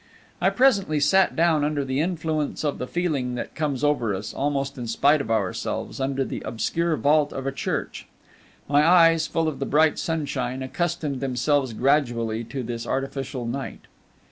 I presently sat down under the influence of the feeling that comes over us, almost in spite of ourselves, under the obscure vault of a church. My eyes, full of the bright sunshine, accustomed themselves gradually to this artificial night.